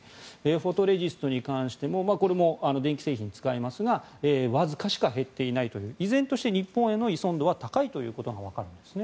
フォトレジストに関してもこれも電気製品に使いますがわずかしか減っていないという依然として日本への依存度は高いということが分かるんですね。